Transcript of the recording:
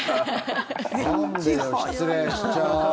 なんでよ失礼しちゃう。